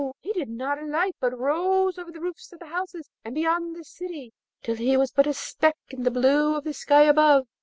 he did not alight, but rose over the roofs of the houses and beyond the city, till he was but a speck in the blue of the sky above.